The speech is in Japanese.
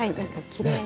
きれいに。